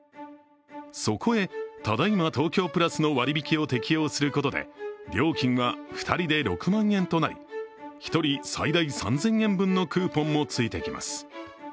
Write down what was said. そこへ、ただいま東京プラスの割引きを適用することで料金は２人で６万円となり、１人最大３０００円のクーポンもついてきます。